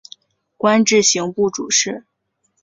官至刑部主事。